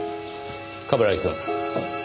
冠城くん。